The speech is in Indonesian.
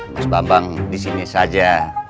mas bambang di sini saja